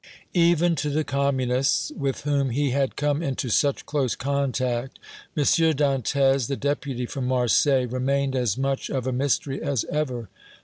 Even to the Communists, with whom he had come into such close contact, M. Dantès, the Deputy from Marseilles, remained as much of a mystery as ever.